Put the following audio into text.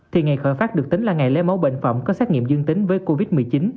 thì ngày khởi pháp được tính là ngày lấy máu bệnh phẩm có xác nghiệm dương tính với covid một mươi chín